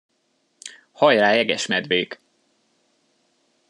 Hajrá, Jegesmedvék!